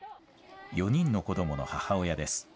４人の子どもの母親です。